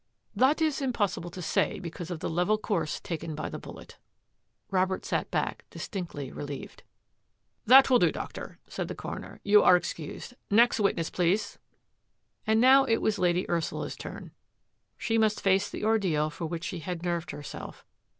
" That is impossible to say because of the level course taken by the bullet." Robert sat back, distinctly relieved. " That will do. Doctor," said the coroner. " You are excused. Next witness, please." And now it was Lady Ursula's turn. She must face the ordeal for which she had nerved herself.